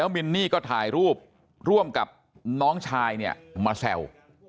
มินนี่ก็ถ่ายรูปร่วมกับน้องชายเนี่ยมาแซว